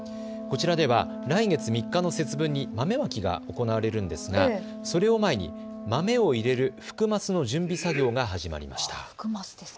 こちらでは来月３日の節分に豆まきが行われるんですがそれを前に豆を入れる福升の準備作業が始まりました。